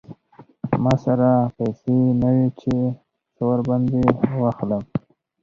ما سره پیسې نه وې چې څه ور باندې واخلم.